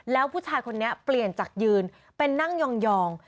แล้วผู้ชายคนนี้เปลี่ยนจากยืนเป็นนั่งยอง